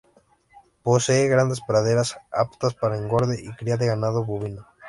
Posee grandes praderas aptas para engorde y cría de ganado bovino.